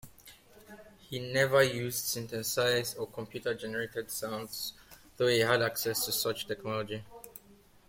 He never used synthesized or computer-generated sounds, though he had access to such technology.